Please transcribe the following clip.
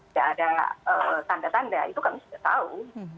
jadi tidak ada tanda tanda itu kami sudah tahu